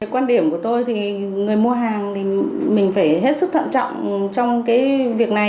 quan điểm của tôi thì người mua hàng thì mình phải hết sức thận trọng trong việc này